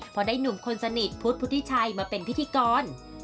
พอได้หนุ่มคนสนิทพุทธพุทธิชัยมาเป็นพิธีกร